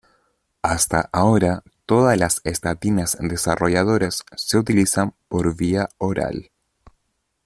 Hasta ahora todas las estatinas desarrolladas se utilizan por vía oral.